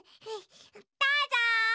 どうぞ！